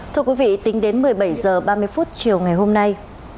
thưa quý vị tính đến một mươi bảy h ba mươi chiều ngày hôm nay